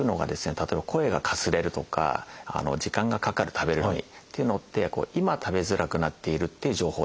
例えば「声がかすれる」とか「時間がかかる食べるのに」っていうのって今食べづらくなっているっていう情報ですよね。